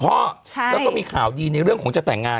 แล้วก็มีข่าวดีในเรื่องของจะแต่งงาน